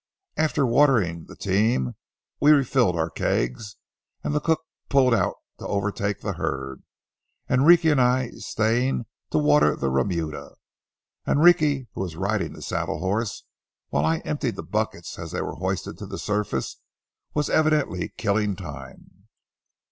After watering the team we refilled our kegs, and the cook pulled out to overtake the herd, Enrique and I staying to water the remuda. Enrique, who was riding the saddle horse, while I emptied the buckets as they were hoisted to the surface, was evidently killing time.